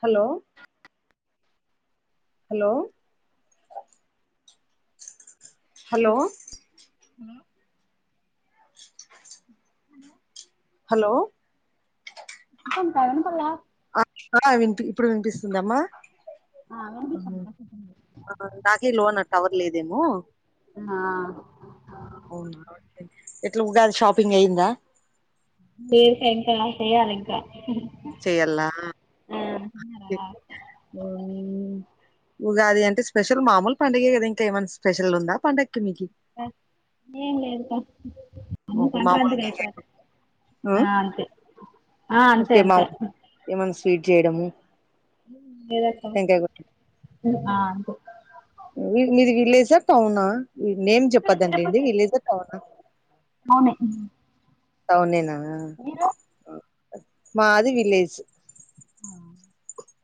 Hello hello hello అ hello hello పిస్తుందా అంటున్నా అబ్బా ఇప్పుడు వినిపిస్తుందమ్మా ఆ వినిపిస్తుంది నాకే లోనా టవర్ లేదేమో ఆ అవునా ఎట్లా ఉగాది షాపింగ్ అయిందా వేరు [unintelligible] చేయాల ఇంకా చెయ్యాలా తిన్నారా [unintelligible] హ్మ్మ్ ఉగాది అంటే స్పెషల్ మామూలు పంండగే కదా ఇంకా ఏమైన్నా స్పెషల్ ఉందా పంండగకి మీకి హే లేదు రా అం [unintelligible] సంక్రాంతికి మామూలుగా [unintelligible] ఆ అంతే ఆ అంతే ఓకే మా అంతే ఏమన్నా స్వీట్ చేయడము లేదక్క తెంకాయా కొట్టడం ఆ అంతే మీ మీది విలేజా టౌనా ఇ నేమ్ చెప్పదండి లేండి విలేజ్ ఎ లేదా టౌనా అవును టౌనేనా మీరు మాది విలేజ్ ఆ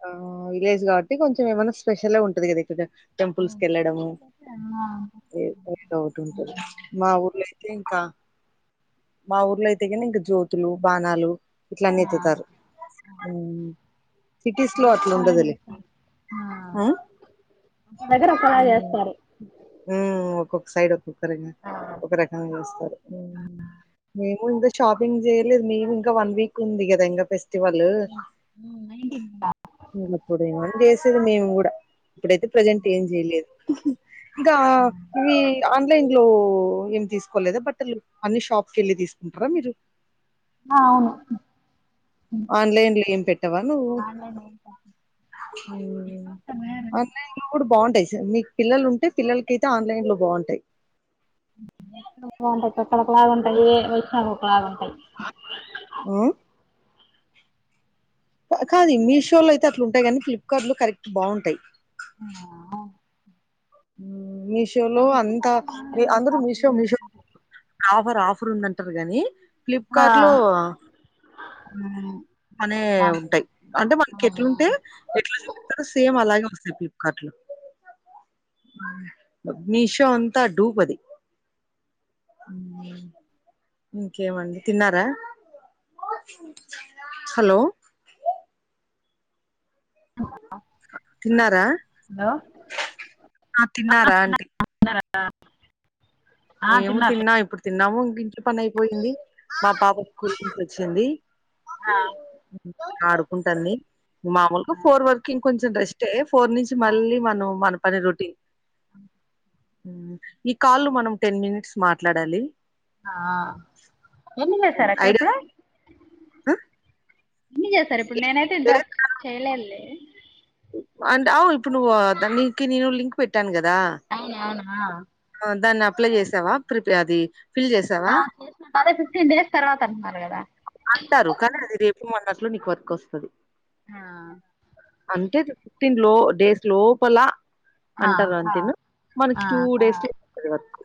ఆ విలేజ్ కాబట్టి కొంచెం ఏమన్నా స్పెషల్ గా ఉంటది కదా ఇక్కడ టెంపుల్స్కి అవును ఎళ్ళడము అదో ఒటి ఉంటది మా ఊర్లో ఇంకా మా ఊర్లో అయితే కానీ ఇంకా జ్యోతులు బాణాలు ఆ ఇట్లన్నెత్తుతారు ఆ [unintelligible] ఆ అ ఆ? [unintelligible] దగ్గర ఒకలా చేస్తారు ఉమ్ ఒక్కొక్క సైడ్ ఒక్కొక్క రంగా ఆ ఒక రకంగా చేస్తారు ముందూ షాపింగ్ చేయలేదు మేము ఇంకా వన్ వీక్ ఉంది కదా ఇంకాపి ఫెస్టివల్ నైన్టీన్ అప్పుడు ఏమన్నా చేసేది మేము కూడా ఇప్పుడైతే ప్రజెంట్ ఏం చెయలేదు ఇంకా ఇవి ఆన్లైన్ లో ఏమి తీసుకోలేదా బట్టలు అన్ని షాప్ కి ఎళ్ళి తీసుకుంటారా మీరు ఆ అవును ఆన్లైన్ లో ఏం పెట్టవా నువ్వు ఆన్లైన్ బాగుంటాయి ఉమ్ ఆన్లైన్ లో కూడా బాగుంట యి మీకు పిల్లలు ఉంటే పిల్లలకి అయితే ఆన్లైన్ లో బాగుంటాయి [unintelligible] అక్కడ ఒక్కలగా ఉంటాయి వచ్చినాక ఒకలాగా ఉంటాయి ఉ కాదు మీషో లో అయితే అట్లుంటాయి కానీ ఫ్లిప్కార్ట్ లో కరెక్ట్ బాగుంటాయి ఆ మీషోలో అంతా ఆన్లైన్ లో అందరు షాపింగ్ మీషో మీషో చేసుకుంటారు ఆఫర్ ఆఫర్ ఉందంటారు గాని ఆ ఫ్లిప్కార్ట్ లో హ్మ్మ్ అనే బాగుంటాయి ఉంటాయి అంటే మనకి ఎట్లుంటే ఎట్లా చెపిస్తారుో సేమ్ అలాగే ఫ్లిప్కట్ లో మీషో అంతా డుబ్ అది ఇంకేమండి తిన్నారా హలో అ తిన్నారా? ఉందా ఆ! తిన్నారా అంటి? [inaudible] ఆ మేము తిన్నా ఇప్పుడు తిన్నాము ఇంటి పని అయిపోయింది మా పాప స్కూల్ నుంచి వచ్చింది. ఆ ఆడుకుంటాంది మామూలుగా ఫోర్ వర్కి ఇంకొంచ్ డస్టే ఫోర్ నుంచి మళ్ళీ మనం మన పని రొటీ మ్మ్ ఈ కాల్ మనం టెన్ మినిట్స్ మాట్లాడాలి ఆ ఎన్ని జేసారక్క ఇప్పుడు అ ఇన్ని చేసారిప్పుడు నేనైతే దస్ చైలేలే అండ్ అవ్ ఇప్పుడు నువ్వు దానీకి నీను లింక్ పెట్టాను గద్ అవునవునా దాన్ని అప్లై చేసావా ప్రిపే అది ఫిల్ చేసావా ఆ చేసిన కాని ఫిఫ్టీన్ డేస్ తర్వాత అంటున్నారు గదా అంటారు కానీ అది రేపు మొన్నట్లు నీకు వర్క్ వస్తది ఆ అంటే ఫిఫ్టీన్ లో డేస్ లోపల ఆ అంటారు అంతను మనకి ఆ టూ డేస్ లో తది వర్కు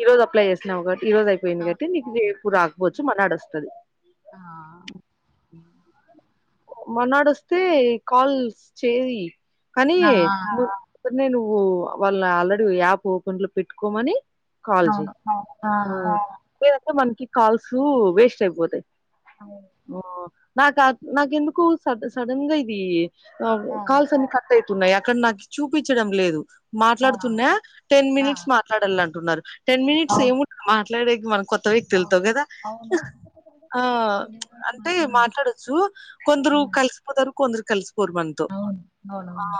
ఈ రోజు అప్లై చేసినావుగ ఈ రోజు అయిపోయింది అవును కాట్టి నీకు రేపు రాద్ మర్నాడొస్తది ఆ మనాడొస్తే ఈ కాల్స్ చేయి కనీ ఆ కనీ నువ్వు వాళ్ళని ఆల్రెడీ యాప్ ఓపెన్ లో పెట్టుకోమని కాల్జెయ్ అవును ఆ లేదతే మనకి కాల్స్ వేస్ట్ అయిపోతాయి అవును నాక నాకెందుకో సడ్ సడన్ గా ఇది ఆ కాల్స్ అన్ని కట్ అయితున్నయి అక్కడ నాకి చూపిచ్చడం లేదు ఆ మాట్లాడుతున్నా టెన్ ఆ మినిట్స్ మాట్లాడల అంటున్నారు టెన్ మినిట్స్ అవును ఏముం మాట్లాడేకి మన కొత్ త్త అవును వ్యక్తుల్తో గదా అవును ఆ నిలబడి అంటే మాట్లాడాలి మాట్లాడచ్చు కొందరు ఆ కలిసిపోతారు కొందరు కలిసిపోరు మనతో అవును అవునవును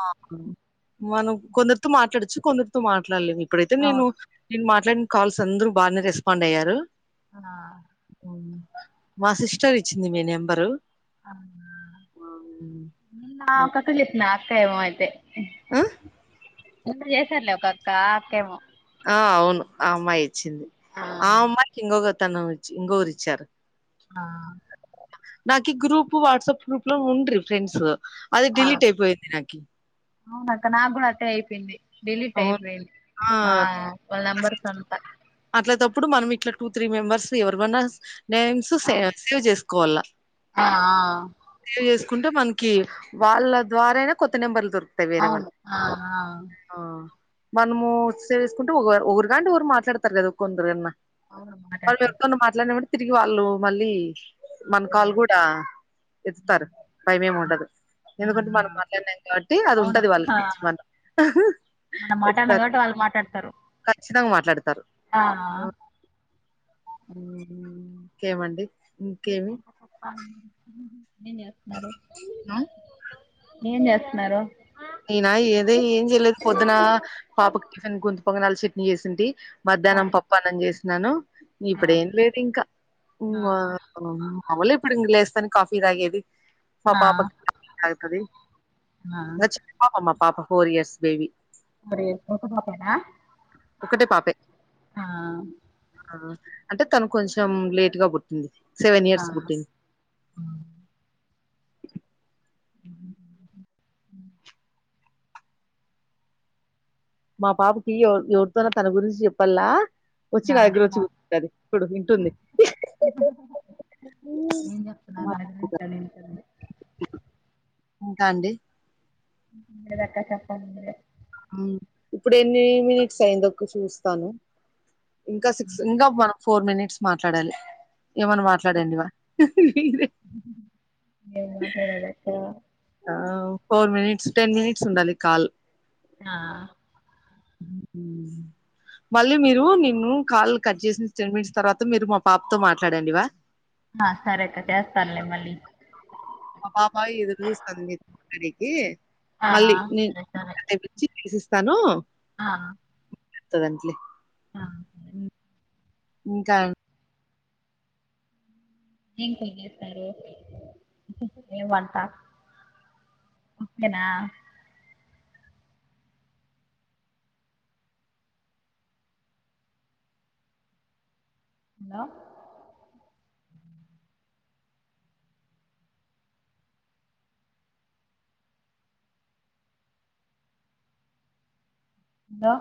మనం కొందరితో మాట్లాడచ్చు కొందరితో మాట్లాడలేము ఇప్పుడైతే నేను అవును నేను మాట్లాడి కాల్స్ అందరు బానే రెస్పాండ్ అయ్యారు ఆ బాసిస్ ఇచ్చింది మీ నెంబరు అవునా హ్మ్. ఆ నాకథ చెప్పిన అక్క ఏమో అయితే ఆ ఎంత చేశారలే ఒకక్క అక్కేమో ఆ అవును ఆ అమ్మాయే ఇచ్చింది, ఆ అమ్మాయికి ఇంగొగతను ఇచ్చి ఇంగోరిచ్చారు. ఆ నాకి గ్రూప్ వాట్సాప్ గ్రూప్ లో ఉండ్రి ఫ్రెండ్స్ అది ఆ డిలీట్ అయిపోయింది నాకి అవునక్క నాక్ గుడ అట్టే అయిపొయ్యింది డిలీట్ అవును అయిపొయింది ఆ వాళ్ నంబర్స్ అంత అట్లా తప్పుడు మనం ఇట్ల టూ త్రీ మెంబర్స్ ఎవరువన్నా నేమ్స్ అవును సేవెన్సే చేసుకోవల ఆ [inaudible] కుంటే మనకి వాళ్ళ ద్వారానే కొత్త నెంబర్లు దొరుకు టే ఆ వేరే వాళ్ అవును ఆ ఆ ఆ మనము సేవేసుకుంటే ఒక ఒకరుకాంటే ఒకరు మాట్లాడతారు గదా కొందరన్నా అవును మళ మాట్లాడతారు ఎరితోన్న మాట్లాడినప్పుడు తిరిగి వాళ్ళు మళ్ళీ మన ఆ కాలు గూడా ఎత్తుతారు భయమేముండదు ఆ ఎందుకంటే మనం ఆ మాట్లాడినాం కాట్టి అది అవును ఉంటది ఆ వాళ్ళకి మనం మనం మాట్లాడిన కాబట్టి వాళ్ళు మాట్లాడతారు ఖచ్చితంగా ఆ కేమండి ఇంకేటో [inaudible] ఏం చేస్తున్నారు ఏం చేస్తున్నారు అయనా ఏద ఏం చేయలేదు పొద్దున పాపకు టిఫిన్ గుంత పొంగనాలు చట్నీ చేసింటి ఆ మధ్యాహ్నం పప్పన్నం చేసినను ఆ ఇప్పుడేం లేదు ఇంకా ఆ మాములే ఇప్పుడు ఇంక లేస్తాను కాఫీ తాగేది మా ఆ పాప [unintelligible] తాగుతది ఆ ఆ మా పాప ఫోర్ ఇయర్స్ బేబీ అరేపనా పోతాడ ఒకటే పాపే ఆ ఆ అంటే తను కొంచెం లేటుగా పుట్టింది సెవెన్ ఆ ఇయర్స్ కి పుట్టింది అ మా పాపకి ఎవరు ఎవరితోన తన గురించి చెప్పల్లా వచ్చి ఆ నా దగ్గర వచ్చి అది ఇప్పుడు ఇంటుంది ఏం చెప్తున్నారు వింటాంది వింటాంది ఇంకా అండి ఏం లేదక్క చెప్పాలి నువ్వే ఆ ఇప్పుడు ఎన్ని మినిట్స్ అయిందొ ఒక చూస్తాను ఇంకా సిక్స్ ఇంకా మనం ఫోర్ మినిట్స్ మాట్లాడాలి ఏమన్నా మాట్లాడండి ఇవా ఏం మాట్లాడలేదక్క ఆ ఫోర్ మినిట్స్ టెన్ మనిట్స్ ఉండాలి కాల్ ఆ ఉ ఊ మళ్ళీ మీరు నిన్ను కాల్ కట్ చేసిిన టెన్ మినిట్స్ తర్వాత మీరు మా పాపతో మాట్లాడండివా ఆ సరే అక్క చేస్తాలే మళ్ళీ మా పాప ఎదురు చూస్తంది మాట్లాడనీకి ఆ మళ్ళీ సరే సరే ఉ విశిస్తాను ఆ ఇత్తదంట్లె ఆ సరే. ఇంకా ఏం కూర చేసారు ఏ వంట ఓకేనా హలో దా